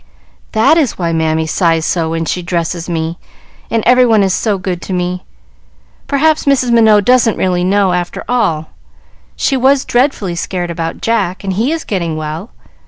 "That is why Mammy sighs so when she dresses me, and every one is so good to me. Perhaps Mrs. Minot doesn't really know, after all. She was dreadfully scared about Jack, and he is getting well.